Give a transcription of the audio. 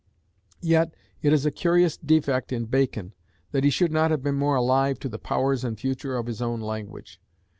Yet it is a curious defect in Bacon that he should not have been more alive to the powers and future of his own language.